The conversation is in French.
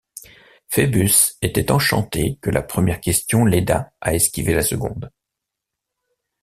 Phœbus était enchanté que la première question l’aidât à esquiver la seconde.